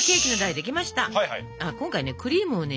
今回ねクリームをね